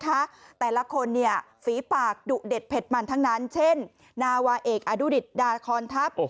แต่ละคนเนี่ยฝีปากดุเด็ดเผ็ดมันทั้งนั้นเช่นนาวาเอกอดุดิตดาคอนทัพ